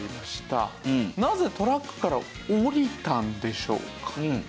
なぜトラックから降りたんでしょうか？